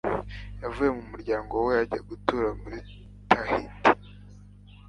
Yavuye mu muryango we ajya gutura muri Tahiti.